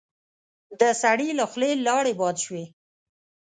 د سړي له خولې لاړې باد شوې.